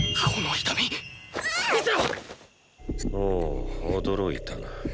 おお驚いたな。